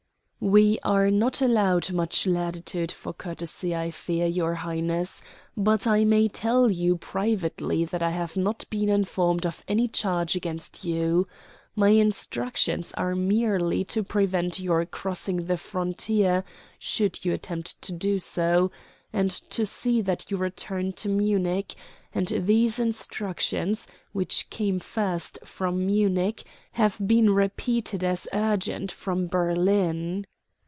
"We are not allowed much latitude for courtesy, I fear, your Highness; but I may tell you privately that I have not been informed of any charge against you. My instructions are merely to prevent your crossing the frontier should you attempt to do so, and to see that you return to Munich; and these instructions, which came first from Munich, have been repeated as urgent from Berlin."